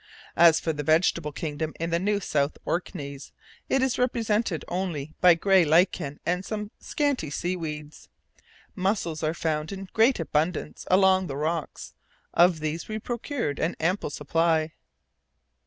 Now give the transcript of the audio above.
As for the vegetable kingdom in the New South Orkneys, it is represented only by grey lichen and some scanty seaweeds. Mussels are found in great abundance all along the rocks; of these we procured an ample supply.